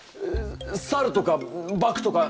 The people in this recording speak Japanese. サルとかバクとか